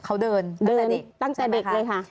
เขาเดินเดินตั้งแต่เด็กเลยค่ะ